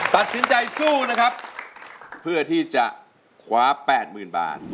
ตัดสินใจสู้นะครับเพื่อที่จะคว้าแปดหมื่นบาท